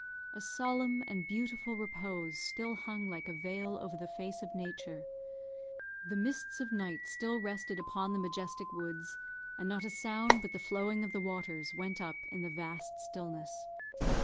A solemn and beautiful repose still hung like a veil over the face of Nature. The mists of night still rested upon the majestic woods, and not a sound but the flowing of the waters went up in the vast stillness.